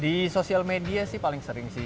di sosial media sih paling sering sih